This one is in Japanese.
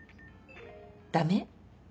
ダメ？